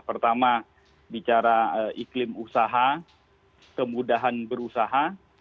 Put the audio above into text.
pertama bicara iklim usaha kemudahan berusaha